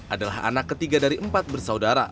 adalah anak ketiga dari empat bersaudara